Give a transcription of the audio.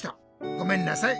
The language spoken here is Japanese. ごめんなさい。